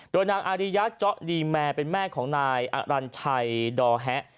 โดยนางอาริยะจ๊อดีแมเป็นแม่ของนายอักรันไชด์ดอแฮะ